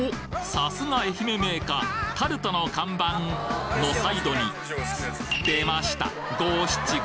さすが愛媛銘菓タルトの看板のサイドに出ました